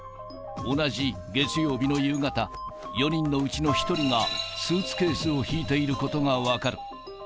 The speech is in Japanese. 同じ月曜日の夕方、４人のうちの１人がスーツケースを引いていることが分かる。